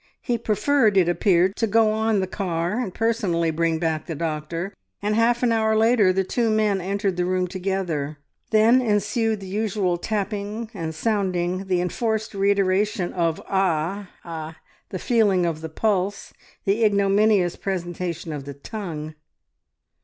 He preferred, it appeared, to go on the car, and personally bring back the doctor, and half an hour later the two men entered the room together. Then ensued the usual tapping and sounding, the enforced reiteration of "Ah ah!" the feeling of the pulse, the ignominious presentation of the tongue.